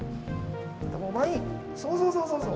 そうそうそうそうそう。